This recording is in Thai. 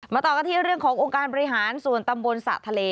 ต่อกันที่เรื่องขององค์การบริหารส่วนตำบลสระทะเล